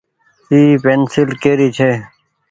اي پينسيل ڪي ري ڇي۔